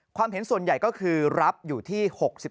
เห็นส่วนใหญ่ก็คือรับอยู่ที่๖๔